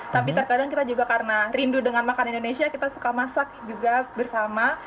tapi terkadang kita juga karena rindu dengan makanan indonesia kita suka masak juga bersama